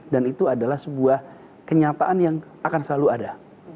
dan itu adalah sebuah kenyataan yang akan selalu ada